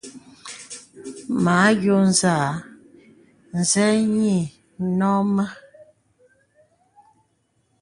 Mə àyɔ̄ɔ̄ zàà, zê yì nɔ̂ mə.